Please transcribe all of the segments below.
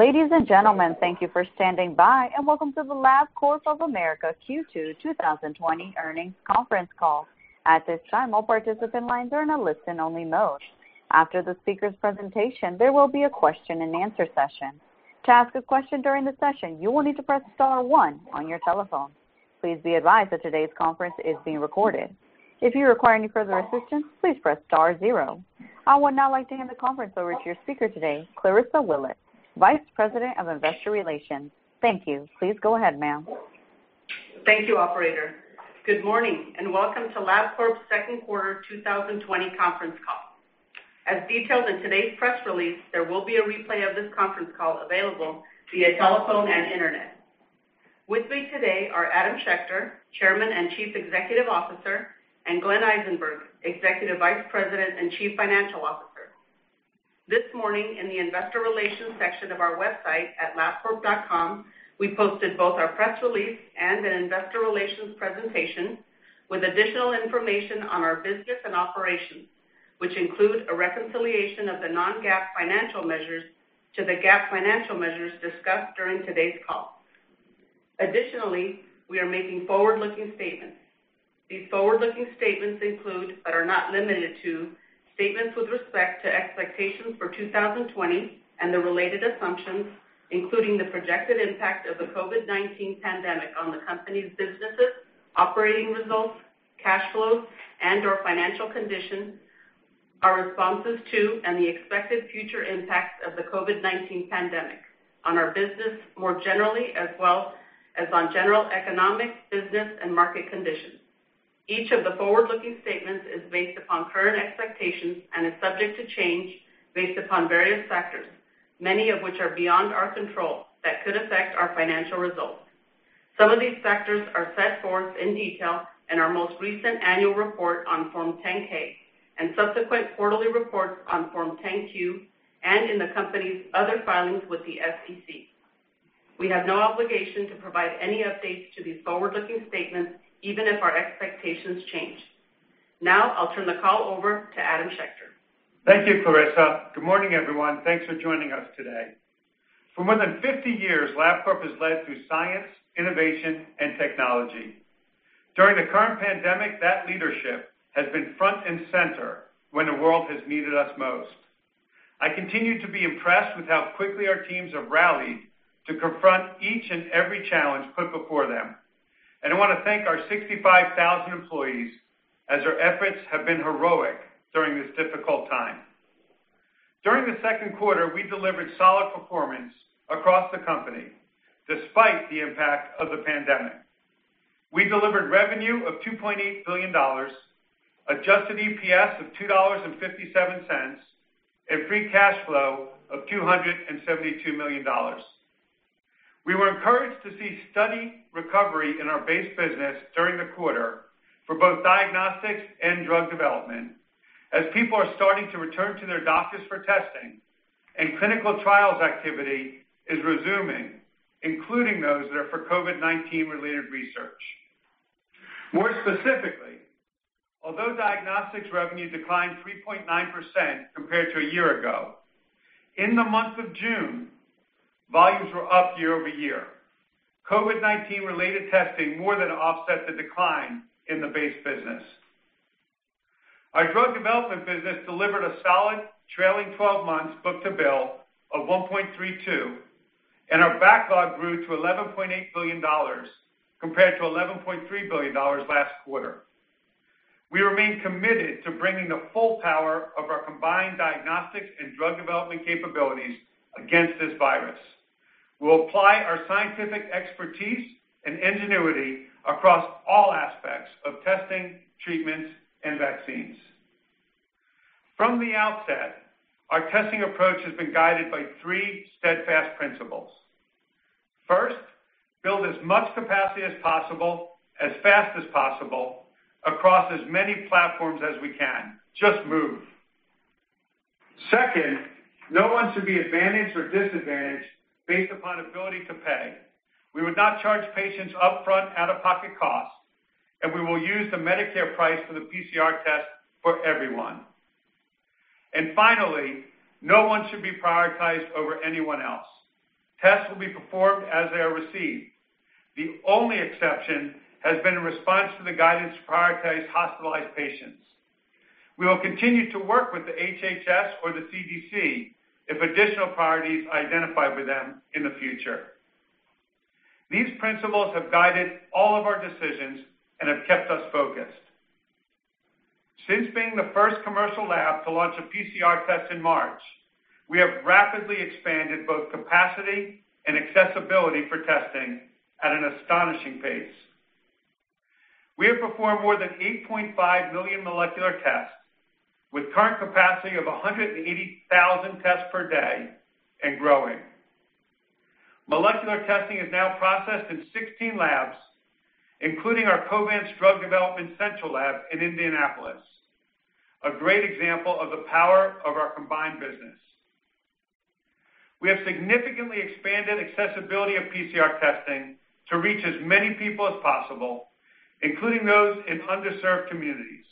Ladies and gentlemen, thank you for standing by and welcome to the Laboratory Corporation of America Q2 2020 Earnings Conference Call. At this time, all participant lines are in a listen-only mode. After the speaker's presentation, there will be a question-and-answer session. To ask a question during the session, you will need to press star one on your telephone. Please be advised that today's conference is being recorded. If you require any further assistance, please press star zero. I would now like to hand the conference over to your speaker today, Clarissa Willett, Vice President of Investor Relations. Thank you. Please go ahead, ma'am. Thank you, operator. Good morning and welcome to Labcorp's second quarter 2020 conference call. As detailed in today's press release, there will be a replay of this conference call available via telephone and internet. With me today are Adam Schechter, Chairman and Chief Executive Officer, and Glenn Eisenberg, Executive Vice President and Chief Financial Officer. This morning in the investor relations section of our website at labcorp.com, we posted both our press release and an investor relations presentation with additional information on our business and operations, which include a reconciliation of the non-GAAP financial measures to the GAAP financial measures discussed during today's call. Additionally, we are making forward-looking statements. These forward-looking statements include, but are not limited to, statements with respect to expectations for 2020 and the related assumptions, including the projected impact of the COVID-19 pandemic on the company's businesses, operating results, cash flows, and/or financial conditions, our responses to, and the expected future impacts of the COVID-19 pandemic on our business more generally, as well as on general economic, business, and market conditions. Each of the forward-looking statements is based upon current expectations and is subject to change based upon various factors, many of which are beyond our control that could affect our financial results. Some of these factors are set forth in detail in our most recent annual report on Form 10-K and subsequent quarterly reports on Form 10-Q and in the company's other filings with the SEC. We have no obligation to provide any updates to these forward-looking statements, even if our expectations change. Now I'll turn the call over to Adam Schechter. Thank you, Clarissa. Good morning, everyone. Thanks for joining us today. For more than 50 years, Labcorp has led through science, innovation, and technology. During the current pandemic, that leadership has been front and center when the world has needed us most. I continue to be impressed with how quickly our teams have rallied to confront each and every challenge put before them, and I want to thank our 65,000 employees as their efforts have been heroic during this difficult time. During the second quarter, we delivered solid performance across the company despite the impact of the pandemic. We delivered revenue of $2.8 billion, adjusted EPS of $2.57, free cash flow of $272 million. We were encouraged to see steady recovery in our base business during the quarter for both diagnostics and drug development as people are starting to return to their doctors for testing and clinical trials activity is resuming, including those that are for COVID-19 related research. More specifically, although diagnostics revenue declined 3.9% compared to a year ago, in the month of June, volumes were up year-over-year. COVID-19 related testing more than offset the decline in the base business. Our drug development business delivered a solid trailing 12 months book-to-bill of 1.32 and our backlog grew to $11.8 billion compared to $11.3 billion last quarter. We remain committed to bringing the full power of our combined diagnostics and drug development capabilities against this virus. We'll apply our scientific expertise and ingenuity across all aspects of testing, treatments, and vaccines. From the outset, our testing approach has been guided by three steadfast principles. First, build as much capacity as possible, as fast as possible, across as many platforms as we can. Just move. Second, no one should be advantaged or disadvantaged based upon ability to pay. We would not charge patients upfront out-of-pocket costs, and we will use the Medicare price for the PCR test for everyone. Finally, no one should be prioritized over anyone else. Tests will be performed as they are received. The only exception has been in response to the guidance to prioritize hospitalized patients. We will continue to work with the HHS or the CDC if additional priorities are identified with them in the future. These principles have guided all of our decisions and have kept us focused. Since being the first commercial lab to launch a PCR test in March, we have rapidly expanded both capacity and accessibility for testing at an astonishing pace. We have performed more than 8.5 million molecular tests with current capacity of 180,000 tests per day and growing. Molecular testing is now processed in 16 labs, including our Covance Drug Development central lab in Indianapolis, a great example of the power of our combined business. We have significantly expanded accessibility of PCR testing to reach as many people as possible, including those in underserved communities.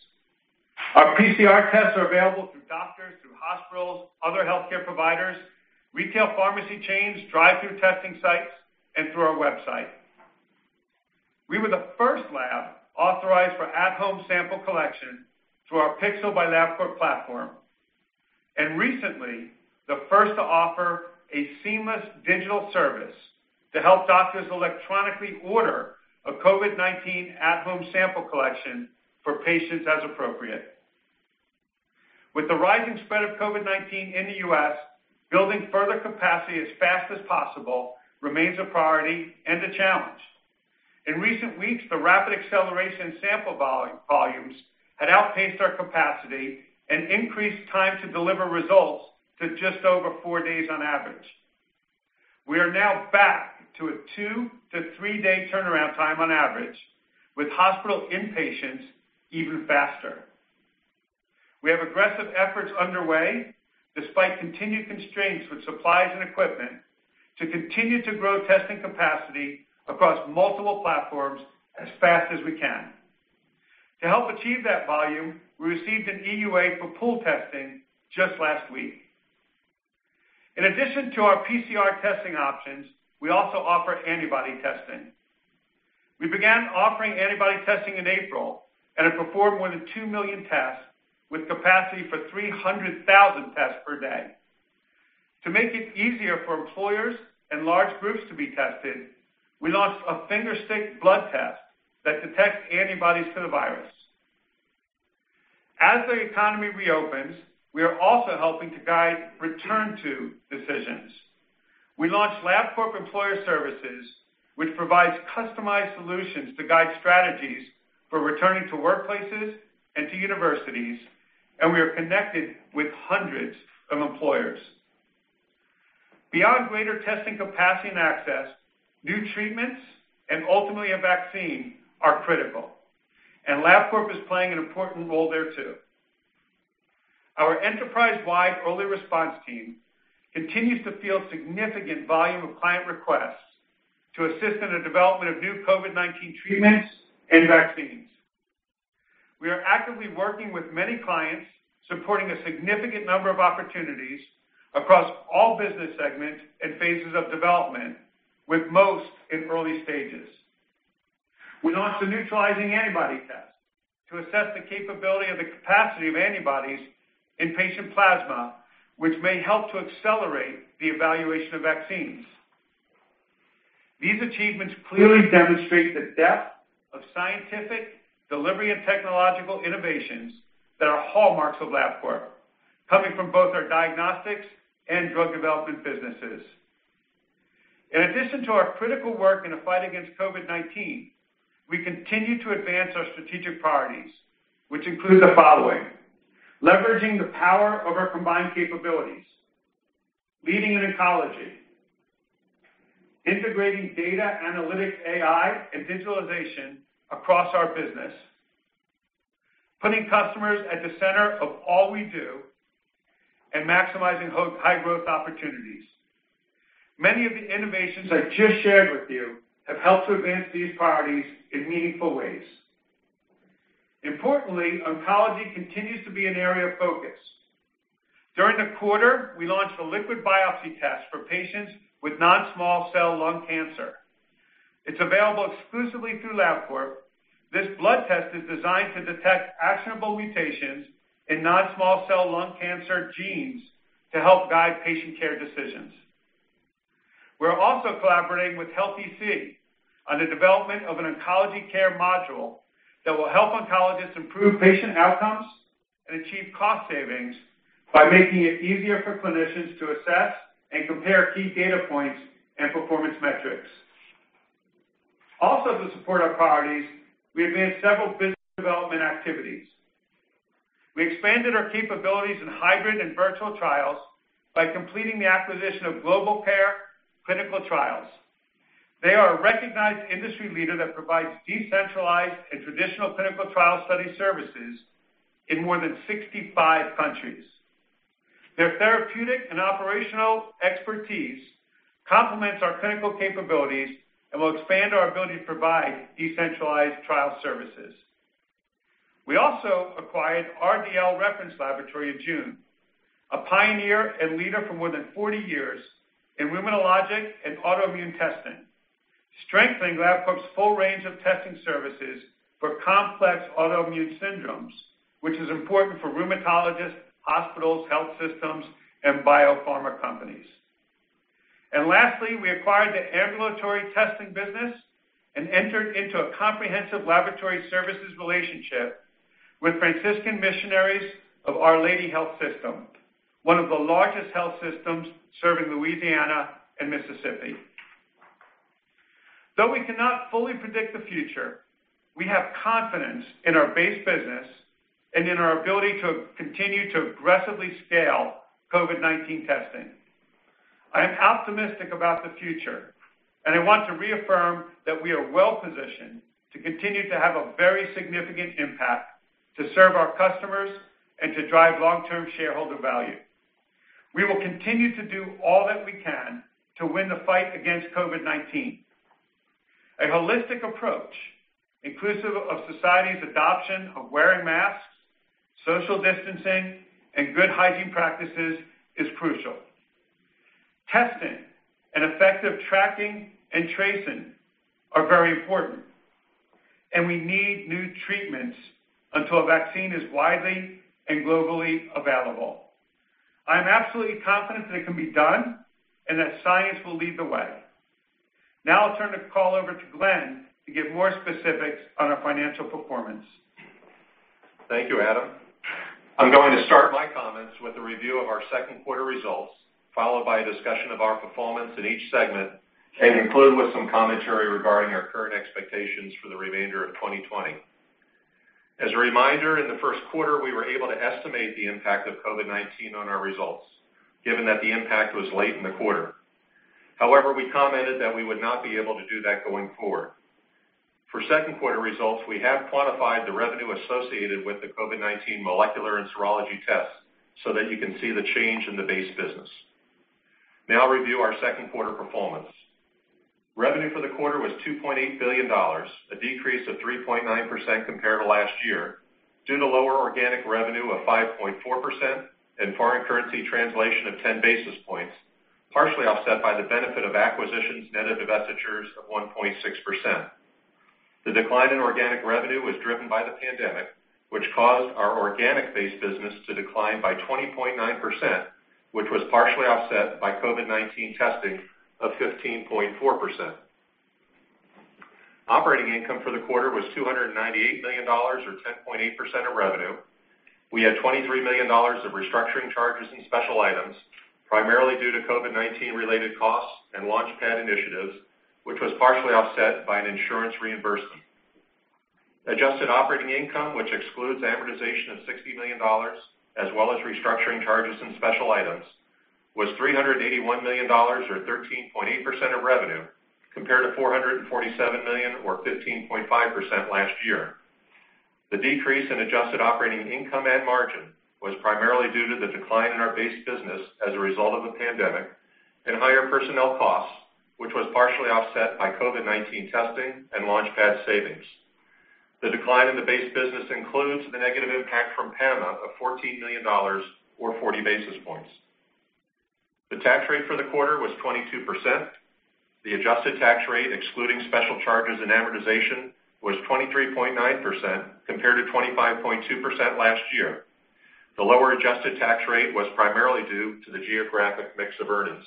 Our PCR tests are available through doctors, through hospitals, other healthcare providers, retail pharmacy chains, drive-through testing sites, and through our website. We were the first lab authorized for at-home sample collection through our Pixel by Labcorp platform. Recently, the first to offer a seamless digital service to help doctors electronically order a COVID-19 at-home sample collection for patients as appropriate. With the rising spread of COVID-19 in the U.S., building further capacity as fast as possible remains a priority and a challenge. In recent weeks, the rapid acceleration sample volumes had outpaced our capacity and increased time to deliver results to just over four days on average. We are now back to a two to three-day turnaround time on average, with hospital inpatients even faster. We have aggressive efforts underway, despite continued constraints with supplies and equipment, to continue to grow testing capacity across multiple platforms as fast as we can. To help achieve that volume, we received an EUA for pool testing just last week. In addition to our PCR testing options, we also offer antibody testing. We began offering antibody testing in April and have performed more than 2 million tests with capacity for 300,000 tests per day. To make it easier for employers and large groups to be tested, we launched a finger stick blood test that detects antibodies to the virus. As the economy reopens, we are also helping to guide return-to decisions. We launched Labcorp Employer Services, which provides customized solutions to guide strategies for returning to workplaces and to universities. We are connected with hundreds of employers. Beyond greater testing capacity and access, new treatments and ultimately, a vaccine are critical. Labcorp is playing an important role there, too. Our enterprise-wide early response team continues to field significant volume of client requests to assist in the development of new COVID-19 treatments and vaccines. We are actively working with many clients, supporting a significant number of opportunities across all business segments and phases of development, with most in early stages. We launched a neutralizing antibody test to assess the capability of the capacity of antibodies in patient plasma, which may help to accelerate the evaluation of vaccines. These achievements clearly demonstrate the depth of scientific delivery and technological innovations that are hallmarks of Labcorp, coming from both our diagnostics and drug development businesses. In addition to our critical work in the fight against COVID-19, we continue to advance our strategic priorities, which include the following: leveraging the power of our combined capabilities, leading in oncology, integrating data analytics, AI, and digitalization across our business, putting customers at the center of all we do, and maximizing high growth opportunities. Many of the innovations I just shared with you have helped to advance these priorities in meaningful ways. Importantly, oncology continues to be an area of focus. During the quarter, we launched a liquid biopsy test for patients with non-small cell lung cancer. It's available exclusively through Labcorp. This blood test is designed to detect actionable mutations in non-small cell lung cancer genes to help guide patient care decisions. We are also collaborating with HealthEC on the development of an oncology care module that will help oncologists improve patient outcomes and achieve cost savings by making it easier for clinicians to assess and compare key data points and performance metrics. Also, to support our priorities, we advanced several business development activities. We expanded our capabilities in hybrid and virtual trials by completing the acquisition of GlobalCare Clinical Trials. They are a recognized industry leader that provides decentralized and traditional clinical trial study services in more than 65 countries. Their therapeutic and operational expertise complements our clinical capabilities and will expand our ability to provide decentralized trial services. We also acquired RDL Reference Laboratory in June, a pioneer and leader for more than 40 years in rheumatologic and autoimmune testing, strengthening Labcorp's full range of testing services for complex autoimmune syndromes, which is important for rheumatologists, hospitals, health systems, and biopharma companies. Lastly, we acquired the ambulatory testing business and entered into a comprehensive laboratory services relationship with Franciscan Missionaries of Our Lady Health System, one of the largest health systems serving Louisiana and Mississippi. Though we cannot fully predict the future, we have confidence in our base business and in our ability to continue to aggressively scale COVID-19 testing. I am optimistic about the future, and I want to reaffirm that we are well-positioned to continue to have a very significant impact to serve our customers and to drive long-term shareholder value. We will continue to do all that we can to win the fight against COVID-19. A holistic approach, inclusive of society's adoption of wearing masks, social distancing, and good hygiene practices is crucial. Testing and effective tracking and tracing are very important, and we need new treatments until a vaccine is widely and globally available. I am absolutely confident that it can be done, and that science will lead the way. I'll turn the call over to Glenn to give more specifics on our financial performance. Thank you, Adam. I'm going to start my comments with a review of our second quarter results, followed by a discussion of our performance in each segment, and conclude with some commentary regarding our current expectations for the remainder of 2020. As a reminder, in the first quarter, we were able to estimate the impact of COVID-19 on our results given that the impact was late in the quarter. However, we commented that we would not be able to do that going forward. For second quarter results, we have quantified the revenue associated with the COVID-19 molecular and serology tests so that you can see the change in the base business. Now I'll review our second quarter performance. Revenue for the quarter was $2.8 billion, a decrease of 3.9% compared to last year due to lower organic revenue of 5.4% and foreign currency translation of 10 basis points, partially offset by the benefit of acquisitions, net of divestitures of 1.6%. The decline in organic revenue was driven by the pandemic, which caused our organic base business to decline by 20.9%, which was partially offset by COVID-19 testing of 15.4%. Operating income for the quarter was $298 million, or 10.8% of revenue. We had $23 million of restructuring charges and special items, primarily due to COVID-19 related costs and LaunchPad initiatives, which was partially offset by an insurance reimbursement. Adjusted operating income, which excludes amortization of $60 million, as well as restructuring charges and special items, was $381 million, or 13.8% of revenue, compared to $447 million or 15.5% last year. The decrease in adjusted operating income and margin was primarily due to the decline in our base business as a result of the pandemic and higher personnel costs, which was partially offset by COVID-19 testing and LaunchPad savings. The decline in the base business includes the negative impact from PAMA of $14 million or 40 basis points. The tax rate for the quarter was 22%. The adjusted tax rate, excluding special charges and amortization, was 23.9% compared to 25.2% last year. The lower adjusted tax rate was primarily due to the geographic mix of earnings.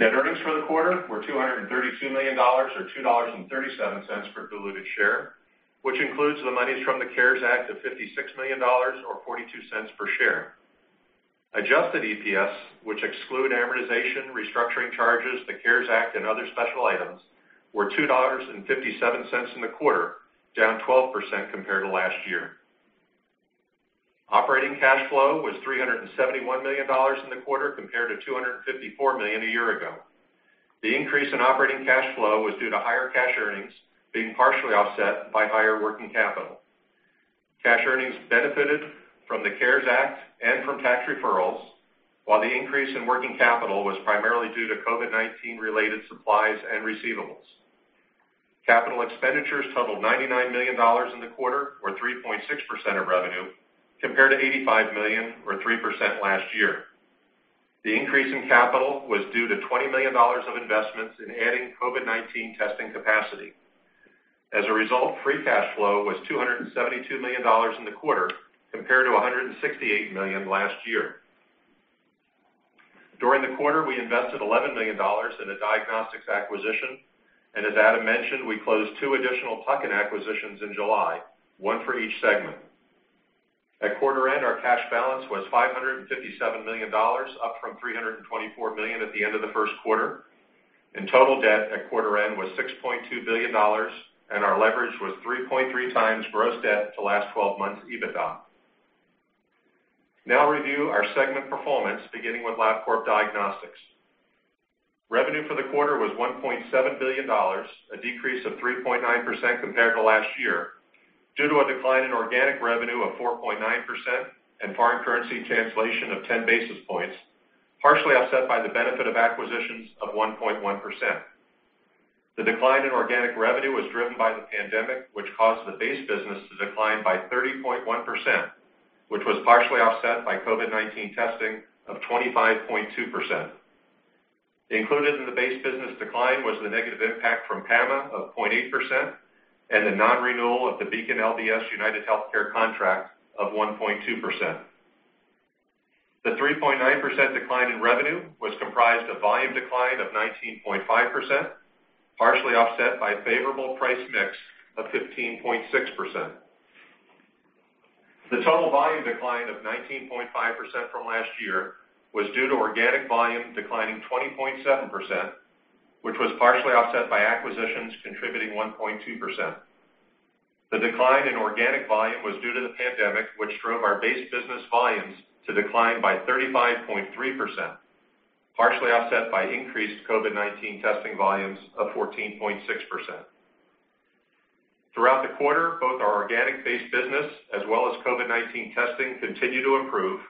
Net earnings for the quarter were $232 million, or $2.37 per diluted share, which includes the monies from the CARES Act of $56 million, or $0.42 per share. Adjusted EPS, which exclude amortization, restructuring charges, the CARES Act, and other special items, were $2.57 in the quarter, down 12% compared to last year. Operating cash flow was $371 million in the quarter compared to $254 million a year ago. The increase in operating cash flow was due to higher cash earnings being partially offset by higher working capital. Cash earnings benefited from the CARES Act and from tax deferrals, while the increase in working capital was primarily due to COVID-19 related supplies and receivables. Capital expenditures totaled $99 million in the quarter, or 3.6% of revenue, compared to $85 million or 3% last year. The increase in capital was due to $20 million of investments in adding COVID-19 testing capacity. As a result, free cash flow was $272 million in the quarter, compared to $168 million last year. During the quarter, we invested $11 million in a diagnostics acquisition, and as Adam mentioned, we closed two additional pluck-in acquisitions in July, one for each segment. At quarter end, our cash balance was $557 million, up from $324 million at the end of the first quarter, and total debt at quarter end was $6.2 billion, and our leverage was 3.3 times gross debt to last 12 months EBITDA. Now I'll review our segment performance beginning with Labcorp Diagnostics. Revenue for the quarter was $1.7 billion, a decrease of 3.9% compared to last year due to a decline in organic revenue of 4.9% and foreign currency translation of 10 basis points, partially offset by the benefit of acquisitions of 1.1%. The decline in organic revenue was driven by the pandemic, which caused the base business to decline by 30.1%, which was partially offset by COVID-19 testing of 25.2%. Included in the base business decline was the negative impact from PAMA of 0.8%, and the non-renewal of the BeaconLBS UnitedHealthcare contract of 1.2%. The 3.9% decline in revenue was comprised of volume decline of 19.5%, partially offset by favorable price mix of 15.6%. The total volume decline of 19.5% from last year was due to organic volume declining 20.7%, which was partially offset by acquisitions contributing 1.2%. The decline in organic volume was due to the pandemic, which drove our base business volumes to decline by 35.3%, partially offset by increased COVID-19 testing volumes of 14.6%. Throughout the quarter, both our organic base business as well as COVID-19 testing continue to improve.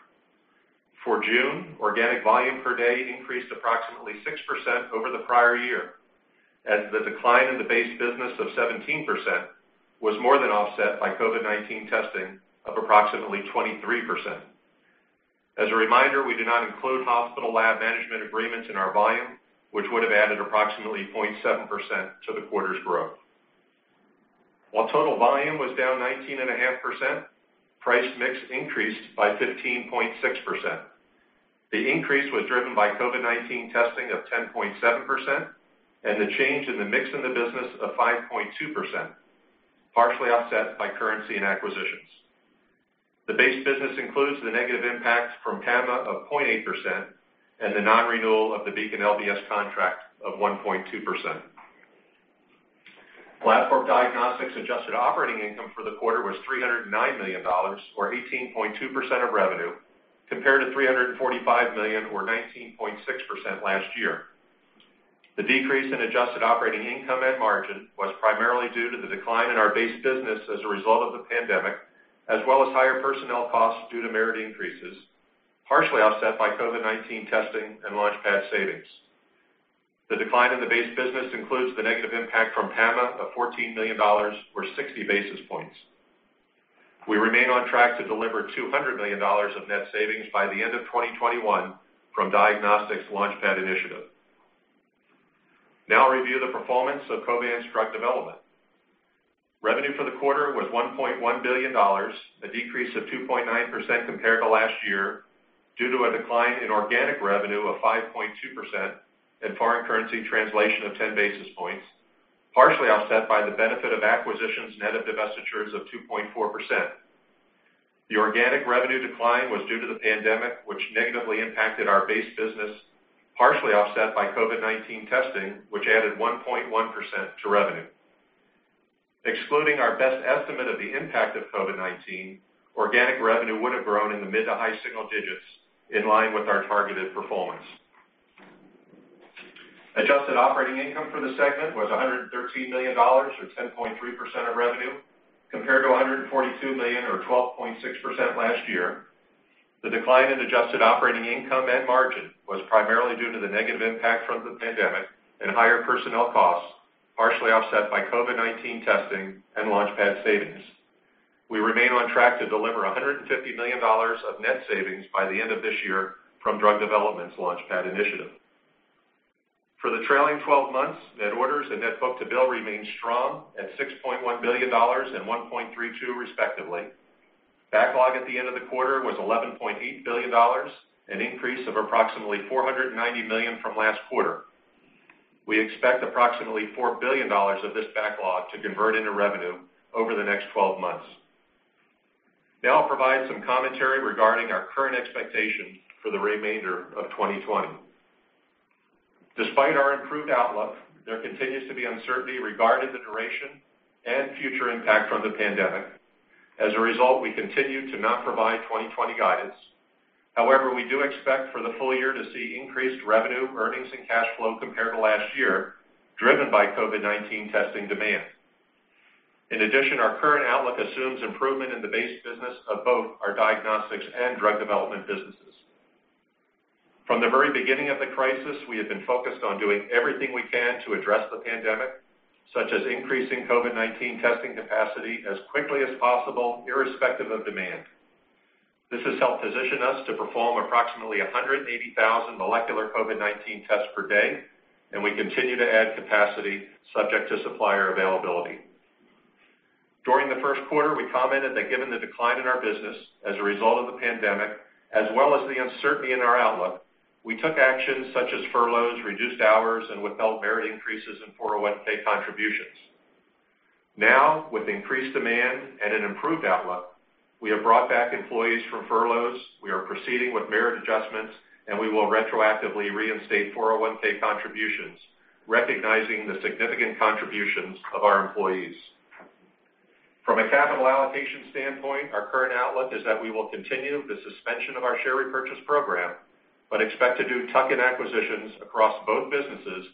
For June, organic volume per day increased approximately 6% over the prior year, as the decline in the base business of 17% was more than offset by COVID-19 testing of approximately 23%. As a reminder, we do not include hospital lab management agreements in our volume, which would have added approximately 0.7% to the quarter's growth. While total volume was down 19.5%, price mix increased by 15.6%. The increase was driven by COVID-19 testing of 10.7% and the change in the mix in the business of 5.2%, partially offset by currency and acquisitions. The base business includes the negative impact from PAMA of 0.8% and the non-renewal of the BeaconLBS contract of 1.2%. Labcorp Diagnostics adjusted operating income for the quarter was $309 million, or 18.2% of revenue, compared to $345 million, or 19.6% last year. The decrease in adjusted operating income and margin was primarily due to the decline in our base business as a result of the pandemic, as well as higher personnel costs due to merit increases, partially offset by COVID-19 testing and LaunchPad savings. The decline in the base business includes the negative impact from PAMA of $14 million, or 60 basis points. We remain on track to deliver $200 million of net savings by the end of 2021 from Diagnostics LaunchPad initiative. I'll review the performance of Covance Drug Development. Revenue for the quarter was $1.1 billion, a decrease of 2.9% compared to last year, due to a decline in organic revenue of 5.2% and foreign currency translation of 10 basis points, partially offset by the benefit of acquisitions, net of divestitures of 2.4%. The organic revenue decline was due to the pandemic, which negatively impacted our base business, partially offset by COVID-19 testing, which added 1.1% to revenue. Excluding our best estimate of the impact of COVID-19, organic revenue would have grown in the mid to high single digits, in line with our targeted performance. Adjusted operating income for the segment was $113 million, or 10.3% of revenue, compared to $142 million, or 12.6% last year. The decline in adjusted operating income and margin was primarily due to the negative impact from the pandemic and higher personnel costs, partially offset by COVID-19 testing and LaunchPad savings. We remain on track to deliver $150 million of net savings by the end of this year from Drug Development's LaunchPad initiative. For the trailing 12 months, net orders and net book-to-bill remained strong at $6.1 billion and 1.32 respectively. Backlog at the end of the quarter was $11.8 billion, an increase of approximately $490 million from last quarter. We expect approximately $4 billion of this backlog to convert into revenue over the next 12 months. I'll provide some commentary regarding our current expectations for the remainder of 2020. Despite our improved outlook, there continues to be uncertainty regarding the duration and future impact from the pandemic. We continue to not provide 2020 guidance. However, we do expect for the full year to see increased revenue, earnings, and cash flow compared to last year, driven by COVID-19 testing demand. In addition, our current outlook assumes improvement in the base business of both our diagnostics and drug development businesses. From the very beginning of the crisis, we have been focused on doing everything we can to address the pandemic, such as increasing COVID-19 testing capacity as quickly as possible, irrespective of demand. This has helped position us to perform approximately 180,000 molecular COVID-19 tests per day, and we continue to add capacity subject to supplier availability. During the first quarter, we commented that given the decline in our business as a result of the pandemic, as well as the uncertainty in our outlook, we took actions such as furloughs, reduced hours, and withheld merit increases and 401 contributions. Now, with increased demand and an improved outlook, we have brought back employees from furloughs. We are proceeding with merit adjustments. We will retroactively reinstate 401 contributions, recognizing the significant contributions of our employees. From a capital allocation standpoint, our current outlook is that we will continue the suspension of our share repurchase program, but expect to do tuck-in acquisitions across both businesses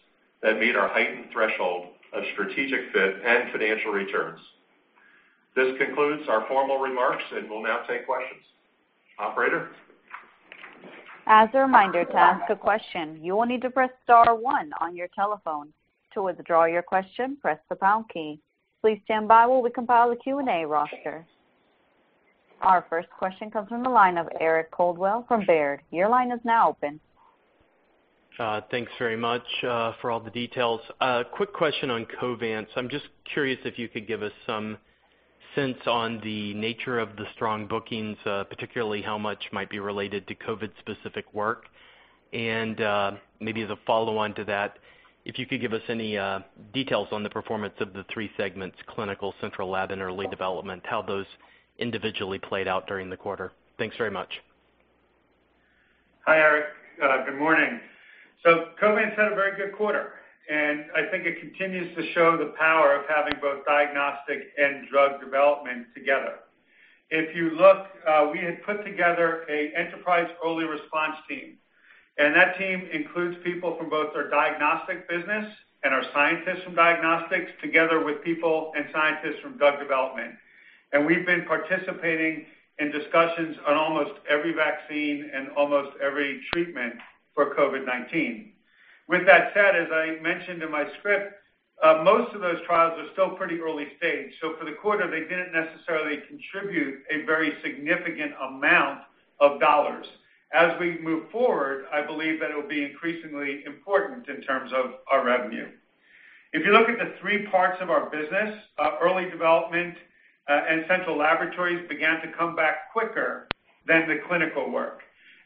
that meet our heightened threshold of strategic fit and financial returns. This concludes our formal remarks. We'll now take questions. Operator? As a reminder, to ask a question, you will need to press star one on your telephone. To withdraw your question, press the pound key. Please stand by while we compile the Q&A roster. Our first question comes from the line of Eric Coldwell from Baird. Your line is now open. Thanks very much for all the details. A quick question on Covance. I'm just curious if you could give us some sense on the nature of the strong bookings, particularly how much might be related to COVID-specific work. Maybe as a follow-on to that, if you could give us any details on the performance of the three segments, clinical, central lab, and early development, how those individually played out during the quarter. Thanks very much. Hi, Eric. Good morning. Covance had a very good quarter, and I think it continues to show the power of having both diagnostic and drug development together. If you look, we had put together an Enterprise Early Response Team, that team includes people from both our diagnostic business and our scientists from diagnostics, together with people and scientists from drug development. We've been participating in discussions on almost every vaccine and almost every treatment for COVID-19. With that said, as I mentioned in my script, most of those trials are still pretty early-stage. For the quarter, they didn't necessarily contribute a very significant amount of dollars. As we move forward, I believe that it will be increasingly important in terms of our revenue. If you look at the three parts of our business, early development and central laboratories began to come back quicker than the clinical work.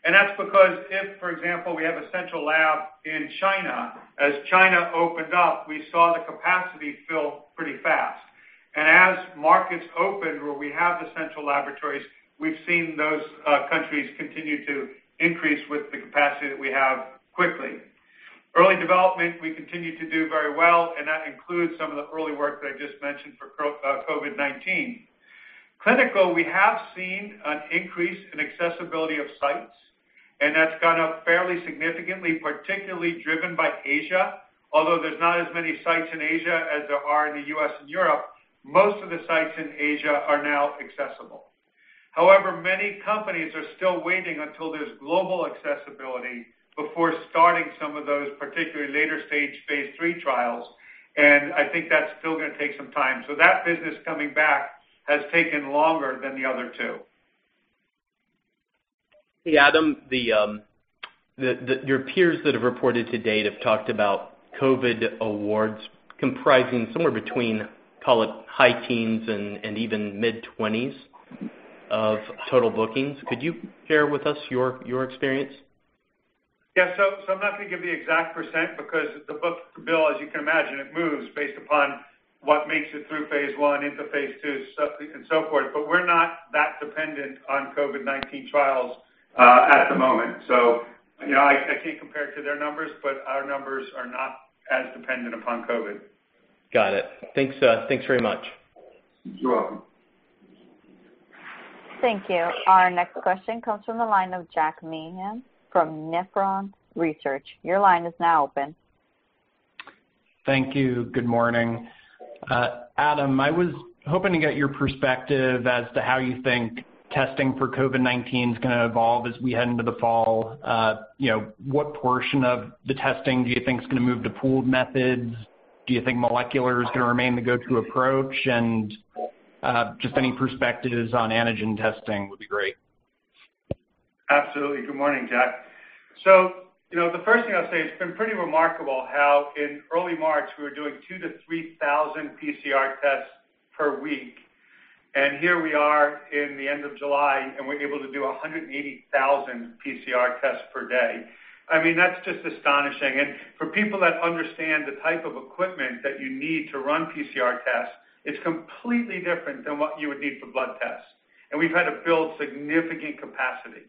That's because if, for example, we have a central lab in China, as China opened up, we saw the capacity fill pretty fast. As markets open where we have the central laboratories, we've seen those countries continue to increase with the capacity that we have quickly. Early development, we continue to do very well, and that includes some of the early work that I just mentioned for COVID-19. Clinical, we have seen an increase in accessibility of sites, and that's gone up fairly significantly, particularly driven by Asia. There's not as many sites in Asia as there are in the U.S. and Europe, most of the sites in Asia are now accessible. Many companies are still waiting until there's global accessibility before starting some of those, particularly later stage, phase III trials, and I think that's still going to take some time. That business coming back has taken longer than the other two. Hey, Adam, your peers that have reported to date have talked about COVID awards comprising somewhere between, call it, high teens and even mid-20s of total bookings. Could you share with us your experience? Yeah. I'm not going to give the exact % because the book-to-bill, as you can imagine, it moves based upon what makes it through phase I into phase II, and so forth. We're not that dependent on COVID-19 trials at the moment. I can't compare it to their numbers, but our numbers are not as dependent upon COVID. Got it. Thanks very much. You're welcome. Thank you. Our next question comes from the line of Jack Meehan from Nephron Research. Your line is now open. Thank you. Good morning. Adam, I was hoping to get your perspective as to how you think testing for COVID-19 is going to evolve as we head into the fall. What portion of the testing do you think is going to move to pooled methods? Do you think molecular is going to remain the go-to approach? Just any perspectives on antigen testing would be great. Absolutely. Good morning, Jack. The first thing I'll say, it's been pretty remarkable how in early March, we were doing 2,000 to 3,000 PCR tests per week, and here we are in the end of July, and we're able to do 180,000 PCR tests per day. That's just astonishing. For people that understand the type of equipment that you need to run PCR tests, it's completely different than what you would need for blood tests. We've had to build significant capacity.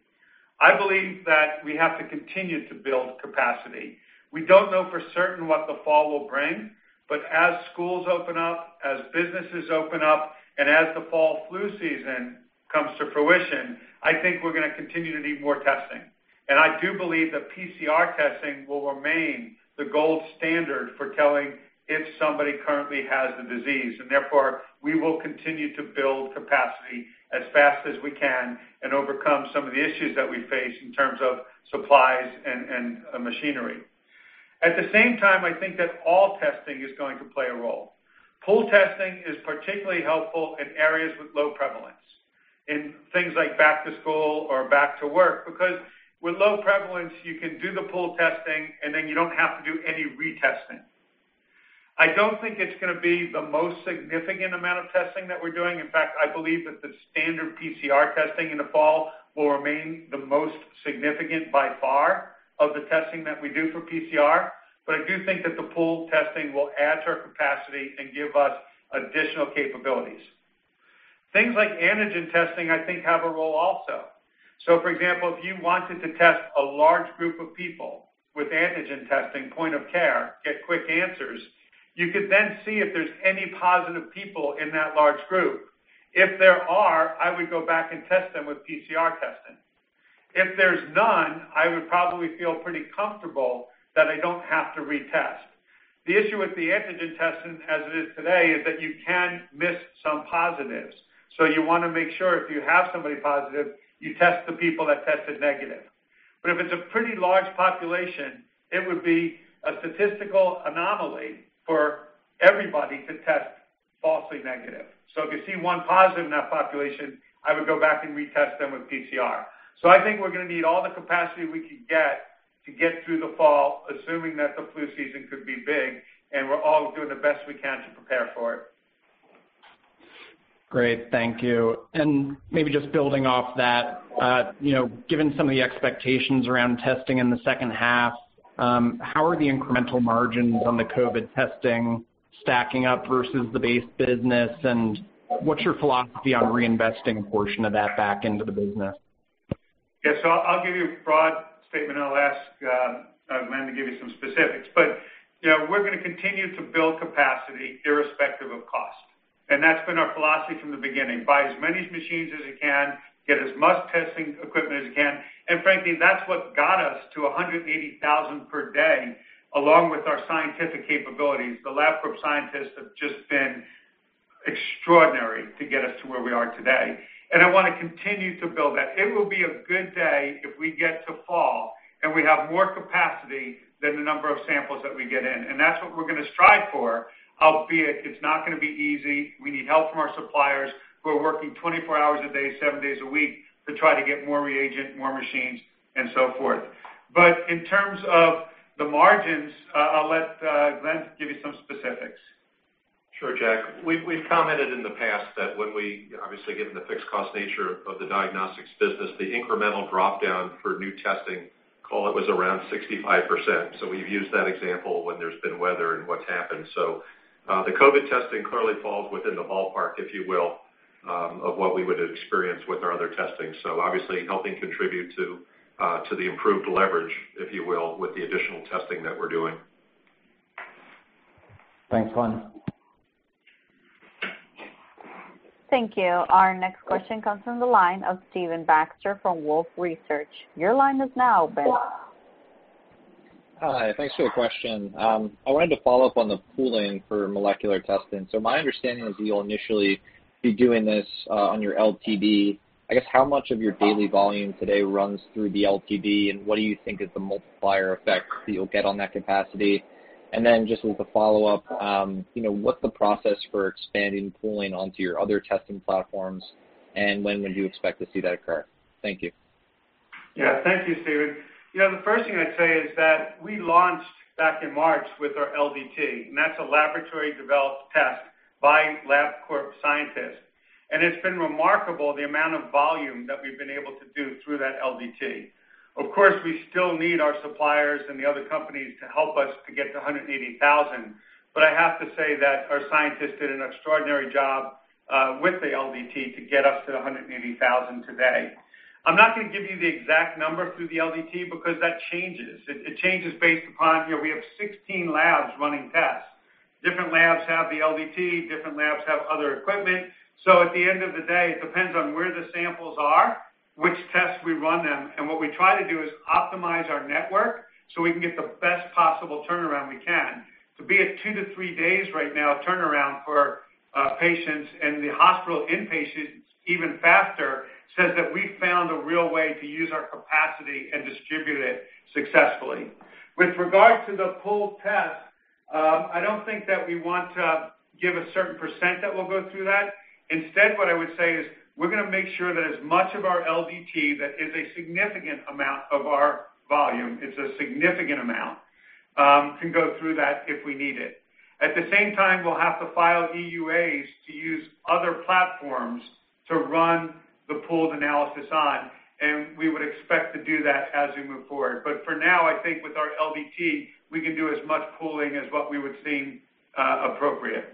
I believe that we have to continue to build capacity. We don't know for certain what the fall will bring, but as schools open up, as businesses open up, and as the fall flu season comes to fruition, I think we're going to continue to need more testing. I do believe that PCR testing will remain the gold standard for telling if somebody currently has the disease. Therefore, we will continue to build capacity as fast as we can and overcome some of the issues that we face in terms of supplies and machinery. At the same time, I think that all testing is going to play a role. Pooled testing is particularly helpful in areas with low prevalence, in things like back to school or back to work, because with low prevalence, you can do the pool testing and then you don't have to do any retesting. I don't think it's going to be the most significant amount of testing that we're doing. In fact, I believe that the standard PCR testing in the fall will remain the most significant by far of the testing that we do for PCR. I do think that the pool testing will add to our capacity and give us additional capabilities. Things like antigen testing, I think, have a role also. For example, if you wanted to test a large group of people with antigen testing, point of care, get quick answers, you could then see if there's any positive people in that large group. If there are, I would go back and test them with PCR testing. If there's none, I would probably feel pretty comfortable that I don't have to retest. The issue with the antigen testing as it is today is that you can miss some positives. You want to make sure if you have somebody positive, you test the people that tested negative. If it's a pretty large population, it would be a statistical anomaly for everybody to test falsely negative. If you see one positive in that population, I would go back and retest them with PCR. I think we're going to need all the capacity we can get to get through the fall, assuming that the flu season could be big and we're all doing the best we can to prepare for it. Great. Thank you. Maybe just building off that, given some of the expectations around testing in the second half, how are the incremental margins on the COVID-19 testing stacking up versus the base business, and what's your philosophy on reinvesting a portion of that back into the business? Yes. I'll give you a broad statement and I'll ask Glenn to give you some specifics. We're going to continue to build capacity irrespective of cost. That's been our philosophy from the beginning. Buy as many machines as you can, get as much testing equipment as you can, and frankly, that's what got us to 180,000 per day, along with our scientific capabilities. The Labcorp scientists have just been extraordinary to get us to where we are today. I want to continue to build that. It will be a good day if we get to fall and we have more capacity than the number of samples that we get in. That's what we're going to strive for, albeit it's not going to be easy. We need help from our suppliers who are working 24 hours a day, seven days a week to try to get more reagent, more machines and so forth. In terms of the margins, I'll let Glenn give you some specifics. Sure, Jack. We've commented in the past that when we, obviously given the fixed cost nature of the diagnostics business, the incremental drop-down for new testing, call it, was around 65%. We've used that example when there's been weather and what's happened. The COVID testing clearly falls within the ballpark, if you will, of what we would experience with our other testing. Obviously helping contribute to the improved leverage, if you will, with the additional testing that we're doing. Thanks, Glenn. Thank you. Our next question comes from the line of Stephen Baxter from Wolfe Research. Your line is now open. Hi. Thanks for the question. I wanted to follow up on the pooling for molecular testing. My understanding was that you'll initially be doing this on your LDT. I guess, how much of your daily volume today runs through the LDT, and what do you think is the multiplier effect that you'll get on that capacity? Just as a follow-up, what's the process for expanding pooling onto your other testing platforms, and when would you expect to see that occur? Thank you. Yeah, thank you, Stephen. The first thing I'd say is that we launched back in March with our LDT, and that's a laboratory-developed test by Labcorp scientists. It's been remarkable the amount of volume that we've been able to do through that LDT. Of course, we still need our suppliers and the other companies to help us to get to 180,000. I have to say that our scientists did an extraordinary job with the LDT to get us to the 180,000 today. I'm not going to give you the exact number through the LDT because that changes. It changes based upon, we have 16 labs running tests. Different labs have the LDT, different labs have other equipment. At the end of the day, it depends on where the samples are, which tests we run them, and what we try to do is optimize our network so we can get the best possible turnaround we can. To be at two to three days right now turnaround for patients and the hospital in-patients even faster says that we've found a real way to use our capacity and distribute it successfully. With regard to the pooled test, I don't think that we want to give a certain % that will go through that. Instead, what I would say is we're going to make sure that as much of our LDT, that is a significant amount of our volume, it's a significant amount, can go through that if we need it. At the same time, we'll have to file EUAs to use other platforms to run the pooled analysis on, and we would expect to do that as we move forward. For now, I think with our LDT, we can do as much pooling as what we would seem appropriate.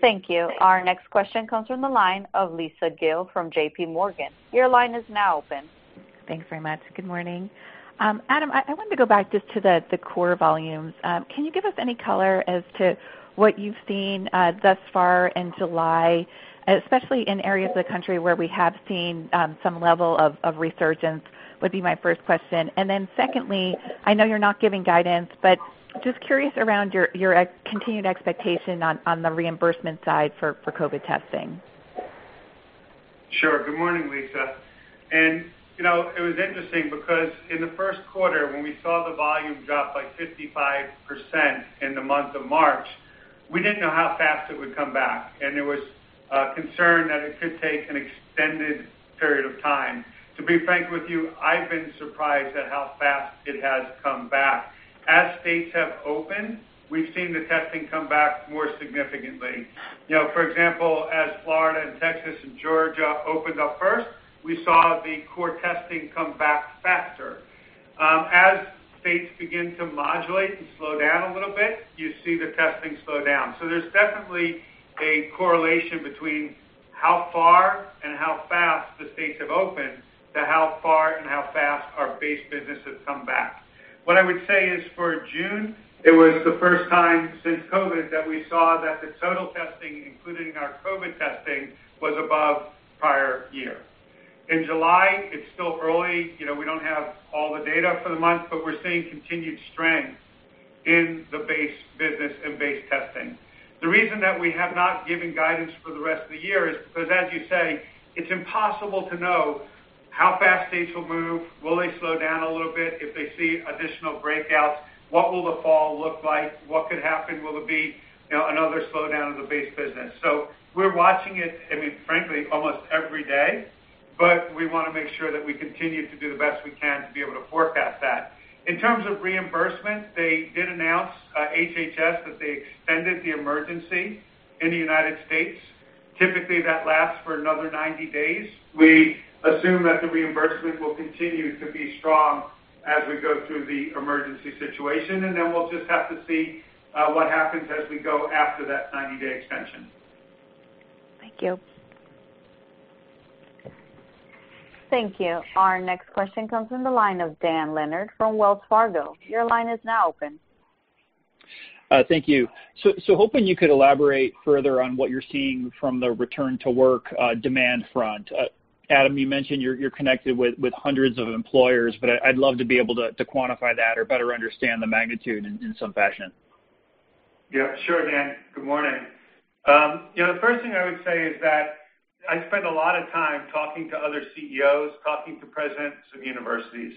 Thank you. Our next question comes from the line of Lisa Gill from JPMorgan. Your line is now open. Thanks very much. Good morning. Adam, I wanted to go back just to the core volumes. Can you give us any color as to what you've seen thus far in July, especially in areas of the country where we have seen some level of resurgence, would be my first question. Secondly, I know you're not giving guidance, but just curious around your continued expectation on the reimbursement side for COVID testing. Sure. Good morning, Lisa. It was interesting because in the first quarter, when we saw the volume drop by 55% in the month of March, we didn't know how fast it would come back. There was concern that it could take an extended period of time. To be frank with you, I've been surprised at how fast it has come back. As states have opened, we've seen the testing come back more significantly. For example, as Florida and Texas and Georgia opened up first, we saw the core testing come back faster. As states begin to modulate and slow down a little bit, you see the testing slow down. There's definitely a correlation between how far and how fast the states have opened to how far and how fast our base business has come back. What I would say is for June, it was the first time since COVID that we saw that the total testing, including our COVID testing, was above prior year. In July, it's still early. We don't have all the data for the month, but we're seeing continued strength in the base business and base testing. The reason that we have not given guidance for the rest of the year is because, as you say, it's impossible to know how fast states will move. Will they slow down a little bit if they see additional breakouts? What will the fall look like? What could happen? Will it be another slowdown of the base business? We're watching it, frankly, almost every day, but we want to make sure that we continue to do the best we can to be able to forecast that. In terms of reimbursement, they did announce, HHS, that they extended the emergency in the U.S. Typically, that lasts for another 90 days. We assume that the reimbursement will continue to be strong as we go through the emergency situation. Then we'll just have to see what happens as we go after that 90-day extension. Thank you. Thank you. Our next question comes from the line of Dan Leonard from Wells Fargo. Your line is now open. Thank you. Hoping you could elaborate further on what you're seeing from the return to work demand front. Adam, you mentioned you're connected with hundreds of employers, but I'd love to be able to quantify that or better understand the magnitude in some fashion. Yeah. Sure, Dan. Good morning. The first thing I would say is that I spend a lot of time talking to other CEOs, talking to presidents of universities,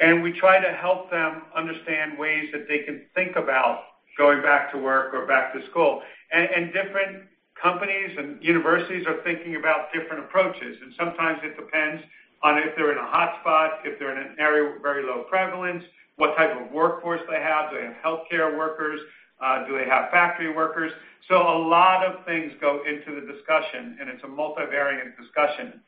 and we try to help them understand ways that they can think about going back to work or back to school. Different companies and universities are thinking about different approaches, and sometimes it depends on if they're in a hotspot, if they're in an area with very low prevalence, what type of workforce they have. Do they have healthcare workers? Do they have factory workers? A lot of things go into the discussion, and it's a multivariate discussion.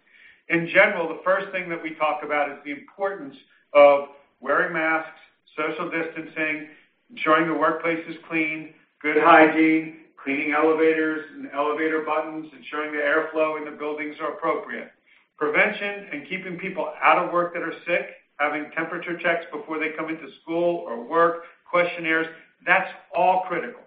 In general, the first thing that we talk about is the importance of wearing masks, social distancing, ensuring the workplace is clean, good hygiene, cleaning elevators and elevator buttons, ensuring the airflow in the buildings are appropriate. Prevention, keeping people out of work that are sick, having temperature checks before they come into school or work, questionnaires, that's all critical.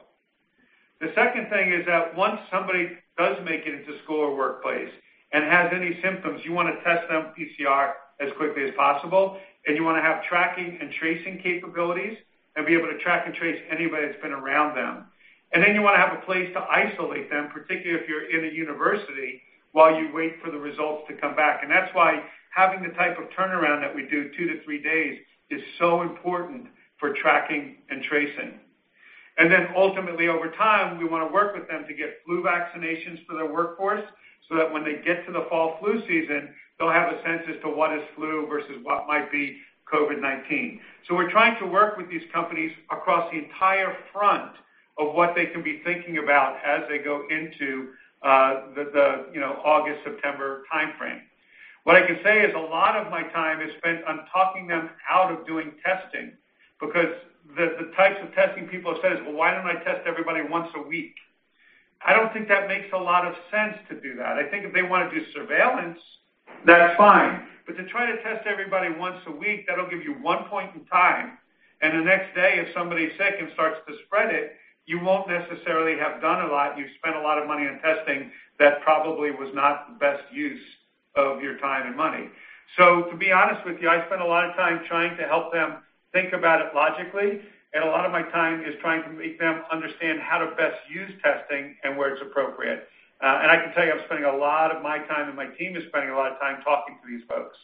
The second thing is that once somebody does make it into school or workplace and has any symptoms, you want to test them PCR as quickly as possible, and you want to have tracking and tracing capabilities and be able to track and trace anybody that's been around them. You want to have a place to isolate them, particularly if you're in a university, while you wait for the results to come back. That's why having the type of turnaround that we do, two to three days, is so important for tracking and tracing. Ultimately, over time, we want to work with them to get flu vaccinations for their workforce so that when they get to the fall flu season, they'll have a sense as to what is flu versus what might be COVID-19. We're trying to work with these companies across the entire front of what they can be thinking about as they go into the August, September timeframe. What I can say is a lot of my time is spent on talking them out of doing testing, because the types of testing people have said is, "Well, why don't I test everybody once a week?" I don't think that makes a lot of sense to do that. I think if they want to do surveillance, that's fine, but to try to test everybody once a week, that'll give you one point in time, and the next day, if somebody's sick and starts to spread it, you won't necessarily have done a lot. You've spent a lot of money on testing that probably was not the best use of your time and money. To be honest with you, I spend a lot of time trying to help them think about it logically, and a lot of my time is trying to make them understand how to best use testing and where it's appropriate. I can tell you, I'm spending a lot of my time, and my team is spending a lot of time talking to these folks.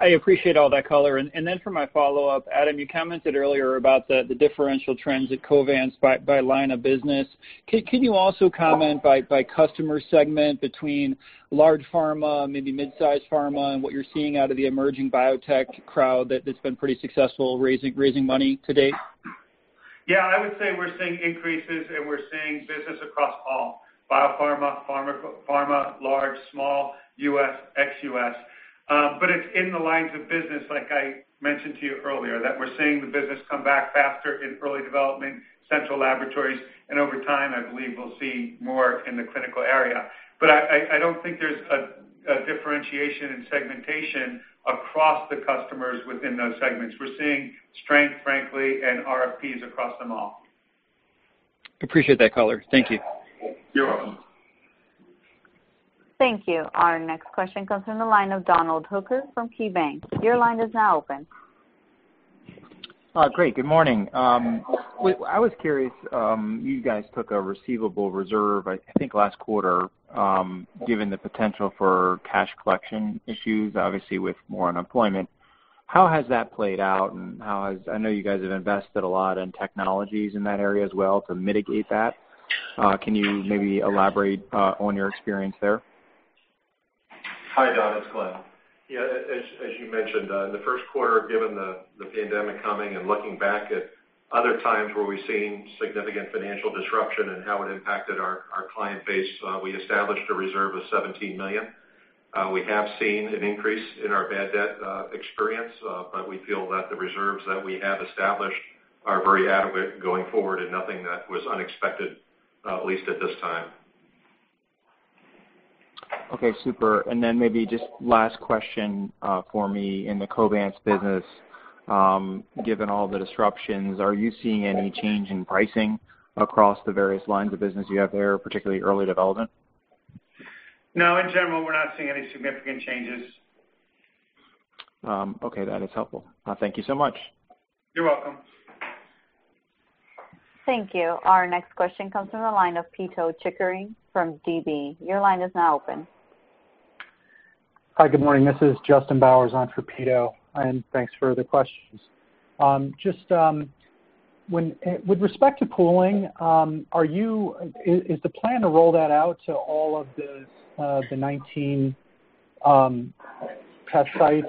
I appreciate all that color. For my follow-up, Adam, you commented earlier about the differential trends at Covance by line of business. Can you also comment by customer segment between large pharma, maybe mid-size pharma, and what you're seeing out of the emerging biotech crowd that's been pretty successful raising money to date? Yeah. I would say we're seeing increases and we're seeing business across all. Biopharma, pharma, large, small, U.S., ex-U.S. It's in the lines of business, like I mentioned to you earlier, that we're seeing the business come back faster in early development, central laboratories, and over time, I believe we'll see more in the clinical area. I don't think there's a differentiation in segmentation across the customers within those segments. We're seeing strength, frankly, and RFPs across them all. Appreciate that color. Thank you. You're welcome. Thank you. Our next question comes from the line of Donald Hooker from KeyBanc. Your line is now open. Great. Good morning. I was curious, you guys took a receivable reserve, I think, last quarter, given the potential for cash collection issues, obviously with more unemployment. How has that played out? I know you guys have invested a lot in technologies in that area as well to mitigate that. Can you maybe elaborate on your experience there? Hi, Don, it's Glenn. Yeah, as you mentioned, in the first quarter, given the pandemic coming and looking back at other times where we've seen significant financial disruption and how it impacted our client base, we established a reserve of $17 million. We have seen an increase in our bad debt experience, we feel that the reserves that we have established are very adequate going forward and nothing that was unexpected, at least at this time. Okay, super. Maybe just last question for me in the Covance business. Given all the disruptions, are you seeing any change in pricing across the various lines of business you have there, particularly early development? No, in general, we're not seeing any significant changes. Okay. That is helpful. Thank you so much. You're welcome. Thank you. Our next question comes from the line of Pito Chickering from DB. Your line is now open. Hi, good morning. This is Justin Bowers on for Pito. Thanks for the questions. With respect to pooling, is the plan to roll that out to all of the 19 test sites?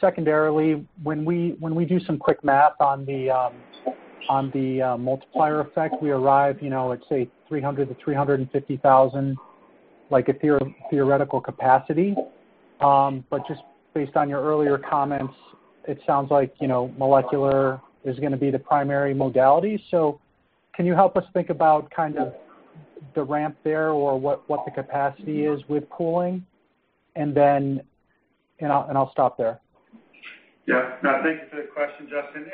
Secondarily, when we do some quick math on the multiplier effect, we arrive, let's say, 300,000-350,000, like a theoretical capacity. Just based on your earlier comments, it sounds like molecular is going to be the primary modality. Can you help us think about the ramp there or what the capacity is with pooling? I'll stop there. Yeah. No, thank you for the question, Justin.